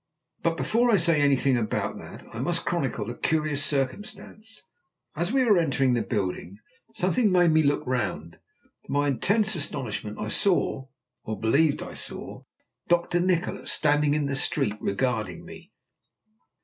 But before I say anything about that I must chronicle a curious circumstance. As we were entering the building, something made me look round. To my intense astonishment I saw, or believed I saw, Dr. Nikola standing in the street, regarding me.